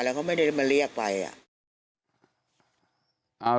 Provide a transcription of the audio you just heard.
แล้วเขาไม่ได้มาเรียกไปอ่ะ